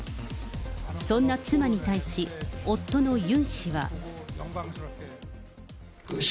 そんな妻に対し、夫のユン氏は。